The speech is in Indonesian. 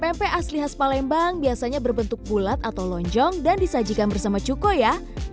pempek asli khas palembang biasanya berbentuk bulat atau lonjong dan disajikan bersama cuko ya